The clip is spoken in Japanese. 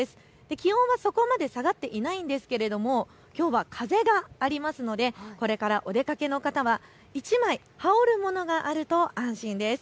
気温はそこまで下がっていないんですが、きょうは風がありますのでこれからお出かけの方は１枚羽織るものがあると安心です。